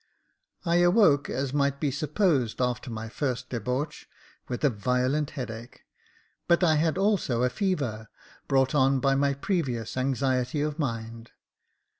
I awoke, as might be supposed, after my first debauch, with a violent headache, but I had also a fever, brought on by my previous anxiety of mind.